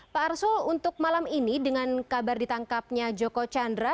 pak arsul untuk malam ini dengan kabar ditangkapnya joko chandra